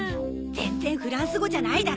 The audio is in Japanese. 全然フランス語じゃないだろう！